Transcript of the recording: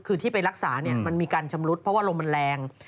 คือที่ไปรักษามันมีการชำรุดเพราะว่าลมมันแรง